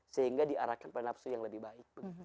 sehingga diarahkan pada nafsu yang lebih baik